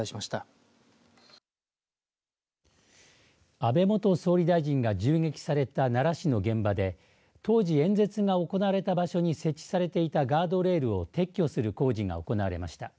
安倍元総理大臣が銃撃された奈良市の現場で当時演説が行われた場所に設置されていたガードレールを撤去する工事が行われました。